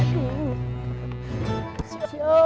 di indonesia gini martin